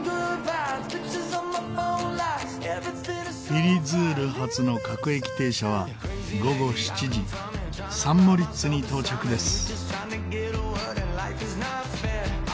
フィリズール発の各駅停車は午後７時サン・モリッツに到着です。